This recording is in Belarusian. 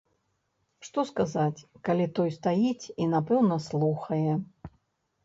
Што сказаць, калі той стаіць і, напэўна, слухае.